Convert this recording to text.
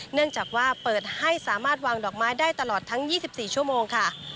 เนื่องจากว่าเปิดให้สามารถวางดอกไม้ได้ตลอดทั้ง๒๔ชั่วโมงค่ะ